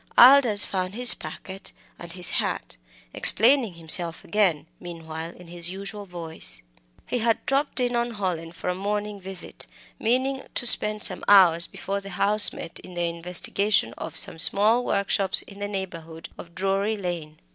Aldous found his packet and his hat, explaining himself again, meanwhile, in his usual voice. He had dropped in on Hallin for a morning visit, meaning to spend some hours before the House met in the investigation of some small workshops in the neighbourhood of Drury Lane.